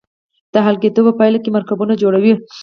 د حل کیدو په پایله کې مرکبونه جوړوي.